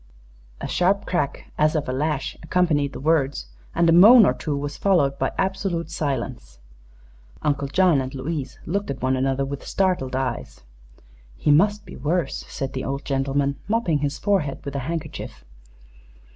A sharp crack, as of a lash, accompanied the words, and a moan or two was followed by absolute silence. Uncle John and Louise looked at one another with startled eyes. "He must be worse," said the old gentleman, mopping his forehead with a handkerchief.